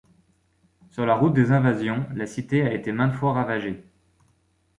Sur la route des invasions, la cité a été maintes fois ravagée.